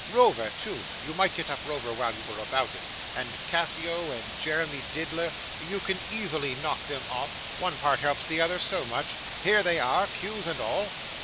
Rover too; you might get up Rover while you were about it, and Cassio, and Jeremy Diddler. You can easily knock them off; one part helps the other so much. Here they are, cues and all.